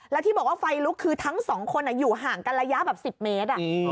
แล้วที่บอกว่าไฟลุกคือทั้งสองคนอยู่ห่างกันระยะแบบ๑๐เมตร